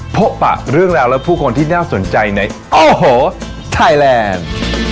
ปะเรื่องราวและผู้คนที่น่าสนใจในโอ้โหไทยแลนด์